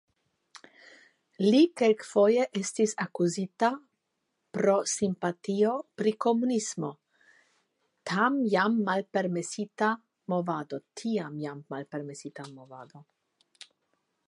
Li kelkfoje estis akuzita pro simpatio pri komunismo (tam jam malpermesita movado).